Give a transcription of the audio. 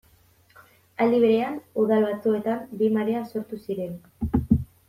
Aldi berean, udal batzuetan bi marea sortu ziren.